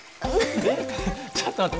えっちょっと待って。